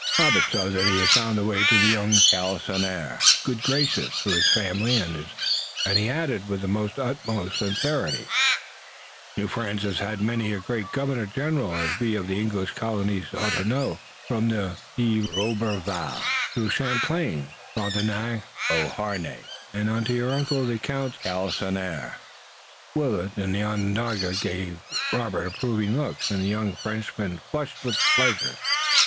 Robert saw that he had found the way to young Galisonnière's good graces through his family and he added with the utmost sincerity, too: "New France has had many a great Governor General, as we of the English colonies ought to know, from the Sieur de Roberval, through Champlain, Frontenac, de Beauharnais and on to your uncle, the Count de Galisonnière." Willet and the Onondaga gave Robert approving looks, and the young Frenchman flushed with pleasure.